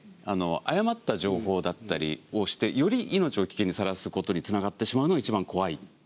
誤った情報だったりをしてより命を危険にさらすことにつながってしまうのが一番怖い。